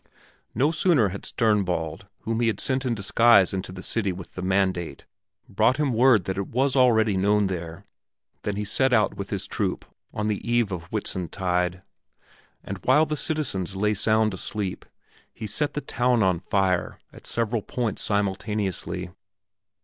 No sooner had Sternbald, whom he had sent in disguise into the city with the mandate, brought him word that it was already known there, than he set out with his troop on the eve of Whitsuntide; and while the citizens lay sound asleep, he set the town on fire at several points simultaneously.